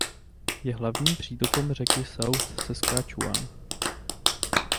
Je hlavním přítokem řeky South Saskatchewan.